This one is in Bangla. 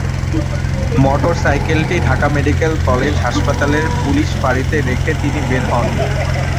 মোটরসাইকেলটি ঢাকা মেডিকেল কলেজ হাসপাতালের পুলিশ ফাঁড়িতে রেখে তিনি বের হন।